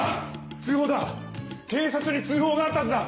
通報だ警察に通報があったはずだ。